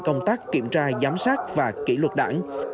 công tác kiểm tra giám sát và kỷ luật đảng